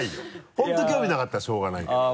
本当に興味なかったらしょうがないけど。